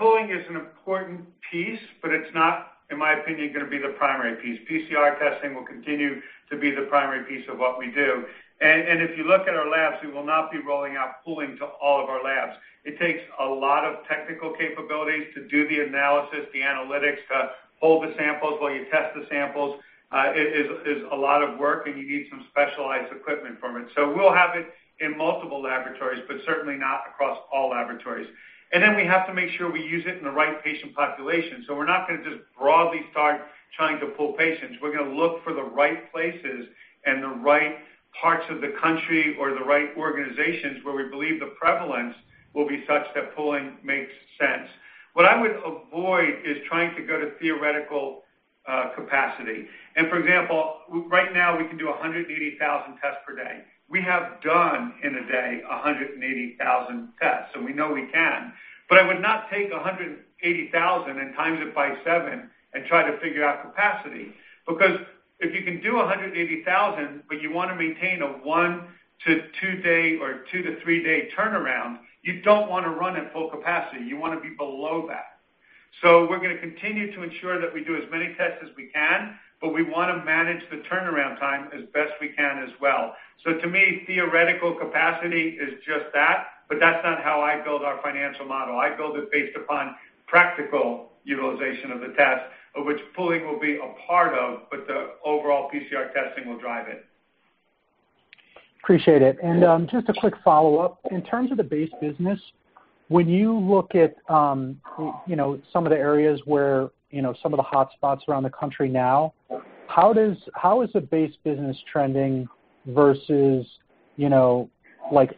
Pooling is an important piece, but it's not, in my opinion, going to be the primary piece. PCR testing will continue to be the primary piece of what we do. If you look at our labs, we will not be rolling out pooling to all of our labs. It takes a lot of technical capabilities to do the analysis, the analytics, to hold the samples while you test the samples. It is a lot of work, and you need some specialized equipment from it. We'll have it in multiple laboratories, but certainly not across all laboratories. We have to make sure we use it in the right patient population. We're not going to just broadly start trying to pool patients. We're going to look for the right places and the right parts of the country, or the right organizations, where we believe the prevalence will be such that pooling makes sense. For example, right now, we can do 180,000 tests per day. We have done in a day 180,000 tests, and we know we can. I would not take 180,000 and times it by seven and try to figure out capacity. If you can do 180,000, but you want to maintain a one to two-day or two to three-day turnaround, you don't want to run at full capacity. You want to be below that. We're going to continue to ensure that we do as many tests as we can, but we want to manage the turnaround time as best we can as well. To me, theoretical capacity is just that, but that's not how I build our financial model. I build it based upon practical utilization of the test, of which pooling will be a part of, but the overall PCR testing will drive it. Appreciate it. Just a quick follow-up. In terms of the base business, when you look at some of the areas where some of the hotspots around the country now, how is the base business trending versus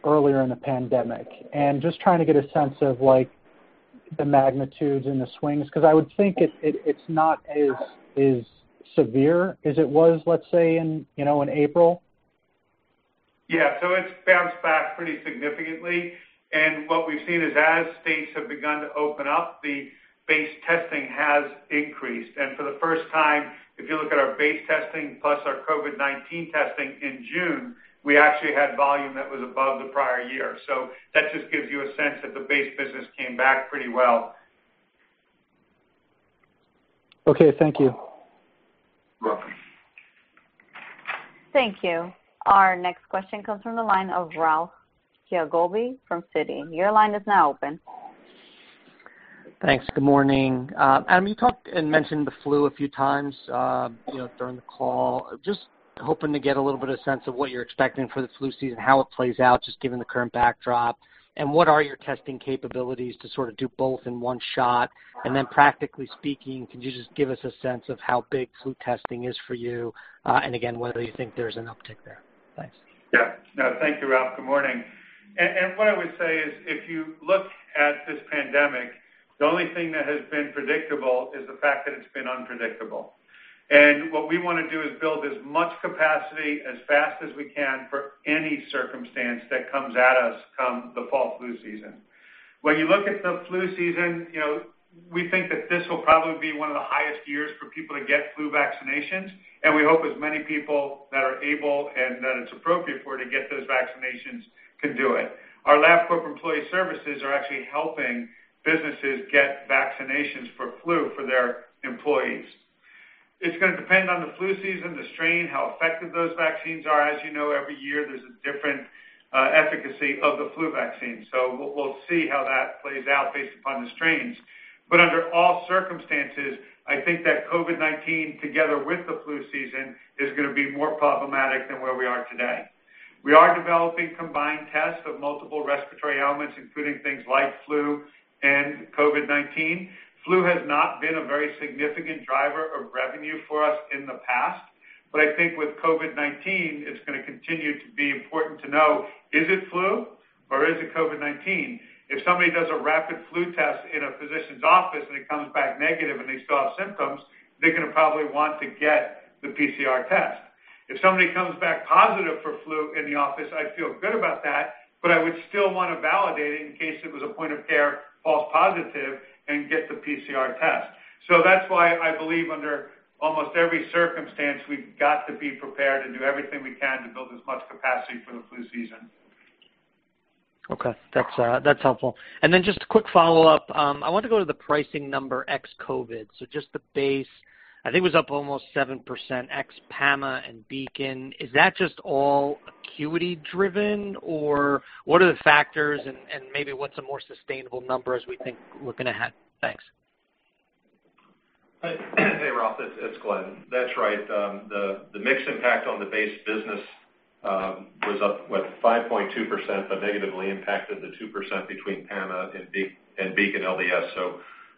earlier in the pandemic? Just trying to get a sense of the magnitudes and the swings, because I would think it's not as severe as it was, let's say in April. Yeah. It's bounced back pretty significantly, what we've seen is as states have begun to open up, the base testing has increased. For the first time, if you look at our base testing plus our COVID-19 testing in June, we actually had volume that was above the prior year. That just gives you a sense that the base business came back pretty well. Okay. Thank you. You're welcome. Thank you. Our next question comes from the line of Ralph Giacobbe from Citi. Your line is now open. Thanks. Good morning. Adam, you talked and mentioned the flu a few times during the call. Just hoping to get a little bit of sense of what you're expecting for the flu season, how it plays out, just given the current backdrop. What are your testing capabilities to sort of do both in one shot? Then practically speaking, can you just give us a sense of how big flu testing is for you, and again, whether you think there's an uptick there. Thanks. Yeah. No, thank you, Ralph. Good morning. What I would say is, if you look at this pandemic, the only thing that has been predictable is the fact that it's been unpredictable. What we want to do is build as much capacity as fast as we can for any circumstance that comes at us come the fall flu season. When you look at the flu season, we think that this will probably be one of the highest years for people to get flu vaccinations, and we hope as many people that are able and that it's appropriate for to get those vaccinations can do it. Our Labcorp Employer Services are actually helping businesses get vaccinations for flu for their employees. It's going to depend on the flu season, the strain, how effective those vaccines are. As you know, every year, there's a different efficacy of the flu vaccine. We'll see how that plays out based upon the strains. Under all circumstances, I think that COVID-19, together with the flu season, is going to be more problematic than where we are today. We are developing combined tests of multiple respiratory elements, including things like flu and COVID-19. Flu has not been a very significant driver of revenue for us in the past, but I think with COVID-19, it's going to continue to be important to know, is it flu or is it COVID-19? If somebody does a rapid flu test in a physician's office and it comes back negative and they still have symptoms, they're going to probably want to get the PCR test. If somebody comes back positive for flu in the office, I'd feel good about that, but I would still want to validate it in case it was a point of care false positive and get the PCR test. That's why I believe under almost every circumstance, we've got to be prepared and do everything we can to build as much capacity for the flu season. Okay. That's helpful. Just a quick follow-up. I want to go to the pricing number ex-COVID. Just the base, I think was up almost 7% ex PAMA and Beacon. Is that just all acuity driven, or what are the factors and maybe what's a more sustainable number as we think looking ahead? Thanks. Hey, Ralph, it's Glenn. That's right. The mix impact on the base business was up, what, 5.2%, but negatively impacted the 2% between PAMA and BeaconLBS.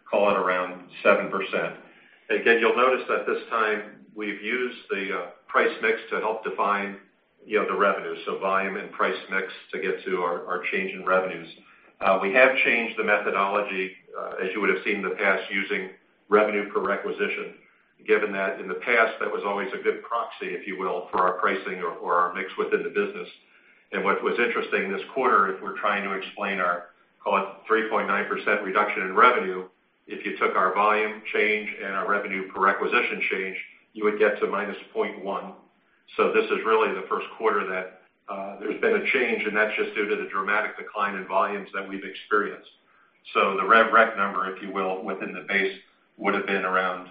Call it around 7%. Again, you'll notice that this time we've used the price mix to help define the revenue, so volume and price mix to get to our change in revenues. We have changed the methodology, as you would've seen in the past, using revenue per requisition, given that in the past, that was always a good proxy, if you will, for our pricing or our mix within the business. What was interesting this quarter, if we're trying to explain our, call it, 3.9% reduction in revenue, if you took our volume change and our revenue per requisition change, you would get to -0.1. This is really the first quarter that there's been a change, and that's just due to the dramatic decline in volumes that we've experienced. The rev req number, if you will, within the base, would've been around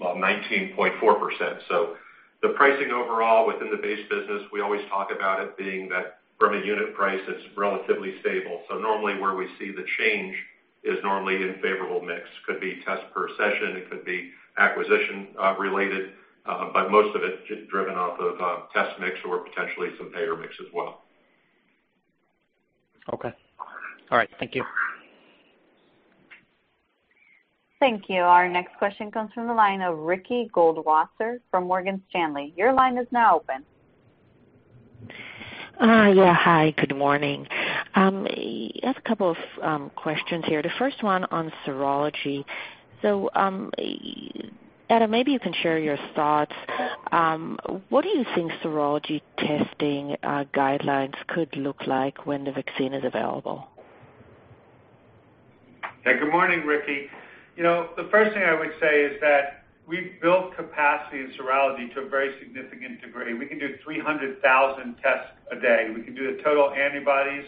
19.4%. The pricing overall within the base business, we always talk about it being that from a unit price, it's relatively stable. Normally where we see the change is normally in favorable mix. Could be test per session, it could be acquisition-related. Most of it driven off of test mix or potentially some payer mix as well. Okay. All right. Thank you. Thank you. Our next question comes from the line of Ricky Goldwasser from Morgan Stanley. Your line is now open. Yeah. Hi, good morning. I have a couple of questions here. The first one on serology. Adam, maybe you can share your thoughts. What do you think serology testing guidelines could look like when the vaccine is available? Yeah, good morning, Ricky. The first thing I would say is that we've built capacity in serology to a very significant degree. We can do 300,000 tests a day. We can do the total antibodies.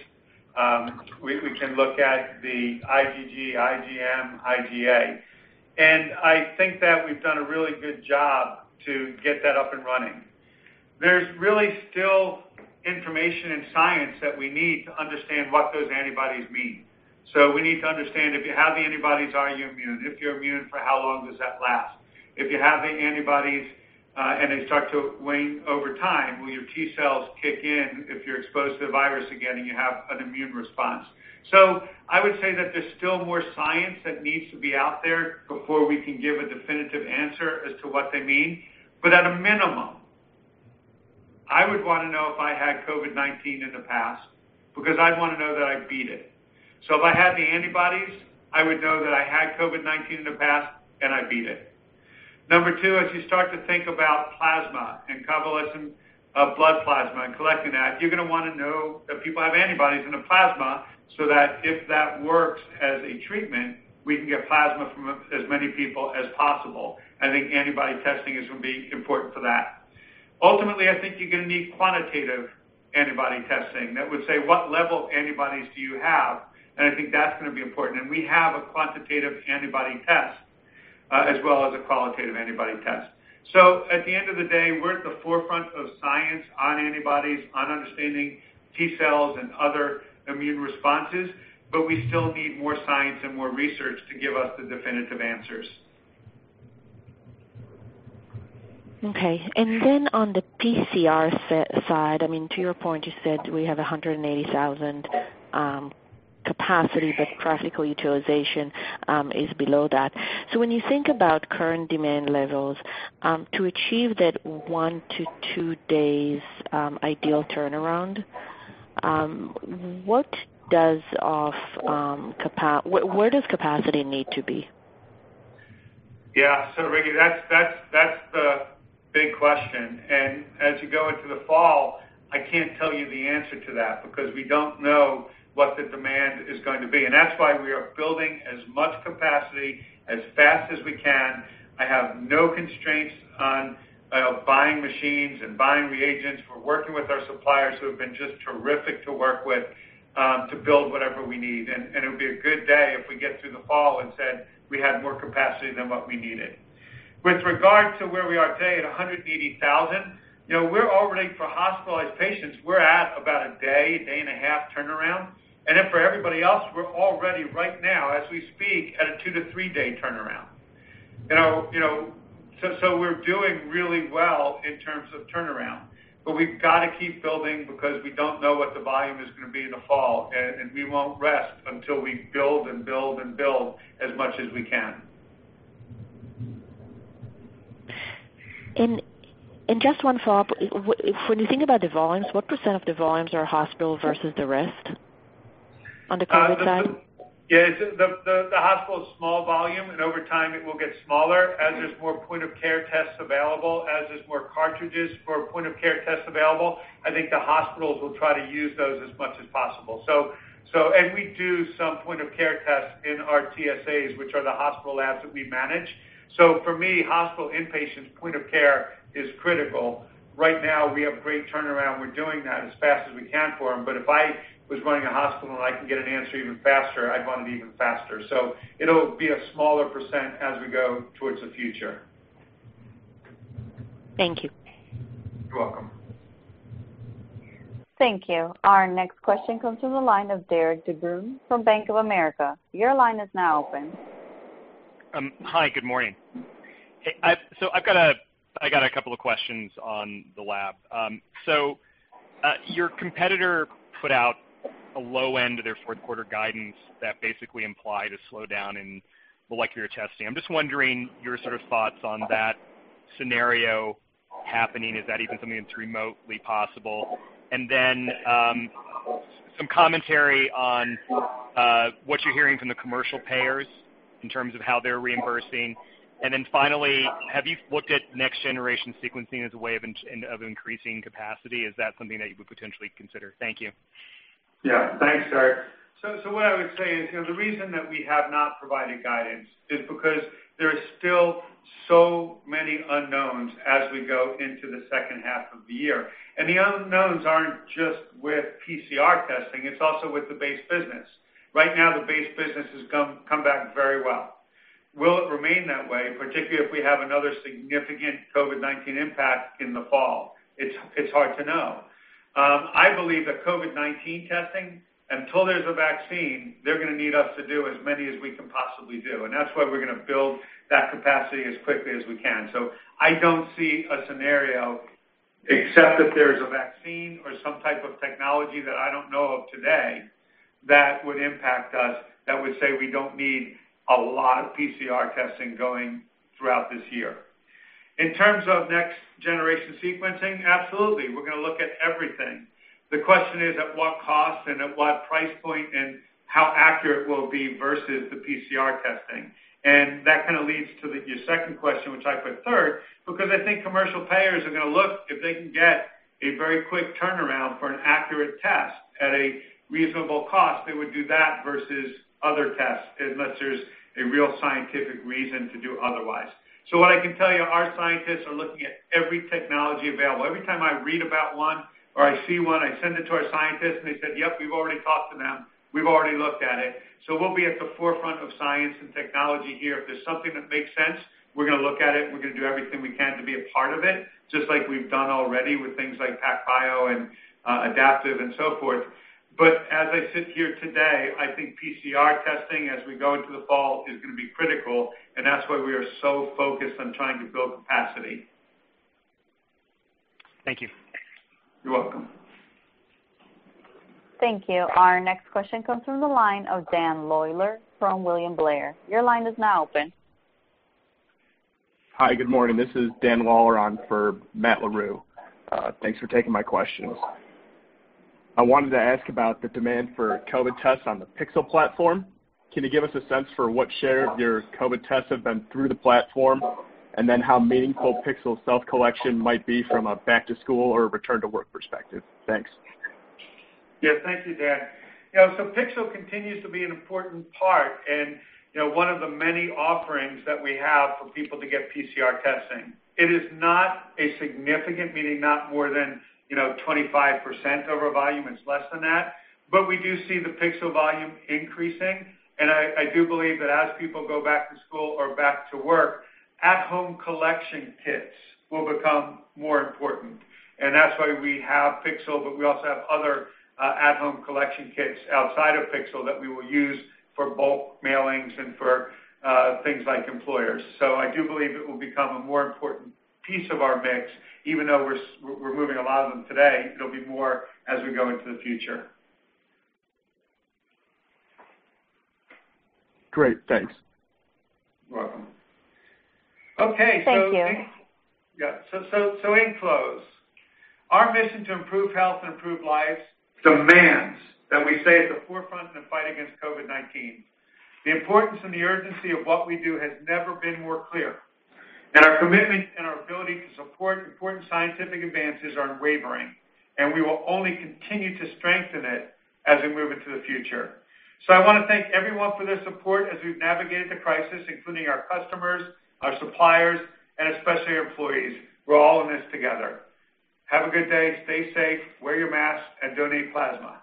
We can look at the IgG, IgM, IgA. I think that we've done a really good job to get that up and running. There's really still information and science that we need to understand what those antibodies mean. We need to understand, if you have the antibodies, are you immune? If you're immune, for how long does that last? If you have the antibodies, and they start to wane over time, will your T cells kick in if you're exposed to the virus again and you have an immune response? I would say that there's still more science that needs to be out there before we can give a definitive answer as to what they mean. At a minimum, I would want to know if I had COVID-19 in the past because I'd want to know that I beat it. If I had the antibodies, I would know that I had COVID-19 in the past and I beat it. Number two, as you start to think about plasma and convalescent blood plasma and collecting that, you're going to want to know that people have antibodies in the plasma so that if that works as a treatment, we can get plasma from as many people as possible. I think antibody testing is going to be important for that. Ultimately, I think you're going to need quantitative antibody testing that would say what level of antibodies do you have. I think that's going to be important. We have a quantitative antibody test, as well as a qualitative antibody test. At the end of the day, we're at the forefront of science on antibodies, on understanding T cells and other immune responses, but we still need more science and more research to give us the definitive answers. Okay. On the PCR side, to your point, you said we have 180,000 capacity, but practical utilization is below that. When you think about current demand levels, to achieve that 1-2 days ideal turnaround, where does capacity need to be? Yeah. Ricky, that's the big question. As you go into the fall, I can't tell you the answer to that because we don't know what the demand is going to be. That's why we are building as much capacity as fast as we can. I have no constraints on buying machines and buying reagents. We're working with our suppliers, who have been just terrific to work with, to build whatever we need. It would be a good day if we get through the fall and said we had more capacity than what we needed. With regard to where we are today at 180,000, we're already for hospitalized patients, we're at about a day and a half turnaround. Then for everybody else, we're already right now, as we speak, at a two to three-day turnaround. We're doing really well in terms of turnaround. We've got to keep building because we don't know what the volume is going to be in the fall, and we won't rest until we build and build and build as much as we can. Just one follow-up. When you think about the volumes, what % of the volumes are hospital versus the rest on the COVID side? Yeah. The hospital is small volume. Over time, it will get smaller as there's more point-of-care tests available, as there's more cartridges for point-of-care tests available. I think the hospitals will try to use those as much as possible. We do some point-of-care tests in our TSAs, which are the hospital labs that we manage. For me, hospital inpatient point of care is critical. Right now, we have great turnaround. We're doing that as fast as we can for them. If I was running a hospital and I can get an answer even faster, I'd want it even faster. It'll be a smaller % as we go towards the future. Thank you. You're welcome. Thank you. Our next question comes from the line of Derik de Bruin from Bank of America. Your line is now open. Hi, good morning. Hey. I got a couple of questions on Labcorp. Your competitor put out a low end of their fourth quarter guidance that basically implied a slowdown in molecular testing. I'm just wondering your sort of thoughts on that scenario happening. Is that even something that's remotely possible? Then, some commentary on what you're hearing from the commercial payers in terms of how they're reimbursing. Then finally, have you looked at next-generation sequencing as a way of increasing capacity? Is that something that you would potentially consider? Thank you. Yeah. Thanks, Derik. What I would say is the reason that we have not provided guidance is because there are still so many unknowns as we go into the second half of the year. The unknowns aren't just with PCR testing, it's also with the base business. Right now, the base business has come back very well. Will it remain that way, particularly if we have another significant COVID-19 impact in the fall? It's hard to know. I believe that COVID-19 testing, until there's a vaccine, they're going to need us to do as many as we can possibly do. That's why we're going to build that capacity as quickly as we can. I don't see a scenario, except if there's a vaccine or some type of technology that I don't know of today, that would impact us, that would say we don't need a lot of PCR testing going throughout this year. In terms of next generation sequencing, absolutely, we're going to look at everything. The question is at what cost and at what price point and how accurate will it be versus the PCR testing? That kind of leads to your second question, which I put third, because I think commercial payers are going to look if they can get a very quick turnaround for an accurate test at a reasonable cost, they would do that versus other tests, unless there's a real scientific reason to do otherwise. What I can tell you, our scientists are looking at every technology available. Every time I read about one or I see one, I send it to our scientists, and they said, "Yep, we've already talked to them. We've already looked at it." We'll be at the forefront of science and technology here. If there's something that makes sense, we're going to look at it, and we're going to do everything we can to be a part of it, just like we've done already with things like PacBio and Adaptive and so forth. As I sit here today, I think PCR testing as we go into the fall is going to be critical, and that's why we are so focused on trying to build capacity. Thank you. You're welcome. Thank you. Our next question comes from the line of Dan Lawler from William Blair. Your line is now open. Hi, good morning. This is Dan Lawler on for Matt Larew. Thanks for taking my questions. I wanted to ask about the demand for COVID tests on the Pixel platform. Can you give us a sense for what share of your COVID tests have been through the platform, and then how meaningful Pixel self-collection might be from a back to school or return to work perspective? Thanks. Thank you, Dan. Pixel continues to be an important part and one of the many offerings that we have for people to get PCR testing. It is not a significant, meaning not more than 25% of our volume. It's less than that. We do see the Pixel volume increasing, and I do believe that as people go back to school or back to work, at home collection kits will become more important. That's why we have Pixel, we also have other at home collection kits outside of Pixel that we will use for bulk mailings and for things like employers. I do believe it will become a more important piece of our mix, even though we're moving a lot of them today, it'll be more as we go into the future. Great. Thanks. You're welcome. Okay. Thank you. In close, our mission to improve health and improve lives demands that we stay at the forefront in the fight against COVID-19. The importance and the urgency of what we do has never been more clear. Our commitment and our ability to support important scientific advances aren't wavering. We will only continue to strengthen it as we move into the future. I want to thank everyone for their support as we've navigated the crisis, including our customers, our suppliers, and especially our employees. We're all in this together. Have a good day. Stay safe, wear your mask, and donate plasma.